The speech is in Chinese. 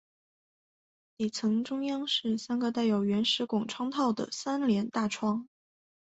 底层中央是三个带有石圆拱窗套的三联大窗。